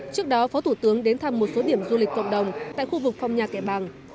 trước đó phó thủ tướng đến thăm một số điểm du lịch cộng đồng tại khu vực phong nhà kẻ bàng